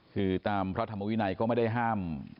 คือตามพระธรรมวินัยก็ไม่ได้ห้าม